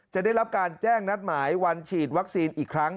ได้รับการแจ้งนัดหมายวันฉีดวัคซีนอีกครั้ง